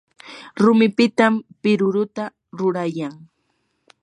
rumipitam piruruta rurayan.